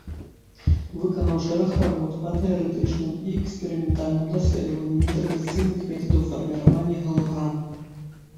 Выканаў шэраг работ па тэарэтычным і эксперыментальным даследаванні нетрадыцыйных метадаў фарміравання галаграм.